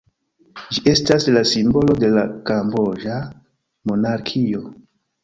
Ĝi estas la simbolo de la kamboĝa monarkio.